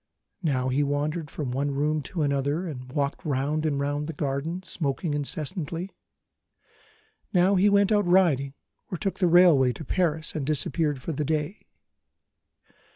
Now he wandered from one room to another, and walked round and round the garden, smoking incessantly. Now he went out riding, or took the railway to Paris and disappeared for the day.